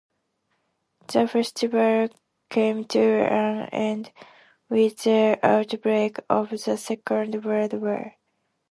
The festival came to an end with the outbreak of the Second World War.